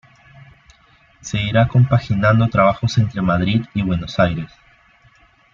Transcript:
Seguirá compaginando trabajos entre Madrid y Buenos Aires.